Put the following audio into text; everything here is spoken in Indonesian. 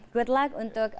good luck untuk